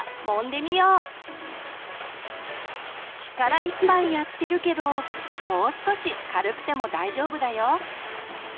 力いっぱいやってるけどもう少し軽くても大丈夫だよ。